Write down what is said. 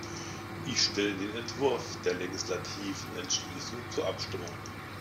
Ich stelle den Entwurf der legislativen Entschließung zur Abstimmung.